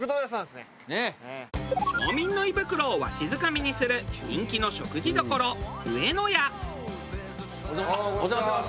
町民の胃袋をわしづかみにする人気のお邪魔します。